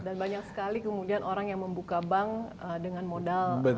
dan banyak sekali kemudian orang yang membuka bank dengan modal